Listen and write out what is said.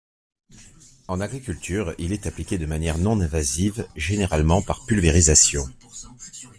En agriculture, il est appliqué de manière non invasive, généralement par pulvérisation.